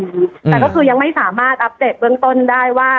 แต่ก็คือยังไม่สามารถอัปเดตเบื้องต้นได้ว่า